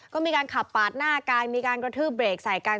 ก็มีการขับปาดหน้ากันมีการกระทืบเบรกใส่กัน